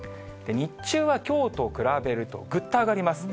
日中はきょうと比べるとぐっと上がります。